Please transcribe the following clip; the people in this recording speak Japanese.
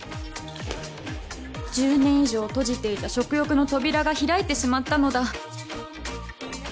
１０年以上閉じていた食欲の扉が開いてしまったのだ